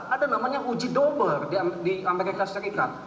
ada namanya uji dober di amerika serikat